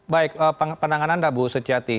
baik penanganan anda bu suciati